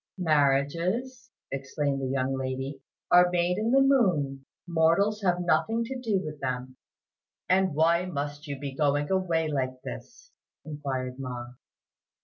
"Marriages," explained the young lady, "are made in the moon; mortals have nothing to do with them." "And why must you be going away like this?" inquired Ma.